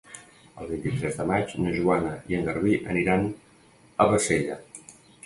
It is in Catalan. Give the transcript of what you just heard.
El vint-i-tres de maig na Joana i en Garbí aniran a Bassella.